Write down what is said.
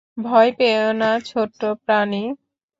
ভয় পেয়ো না, ছোট্ট প্রাণী।